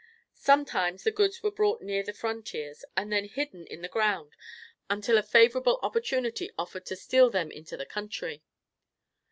Sometimes the goods were brought near the frontiers and there hidden in the ground until a favorable opportunity offered to steal them into the country.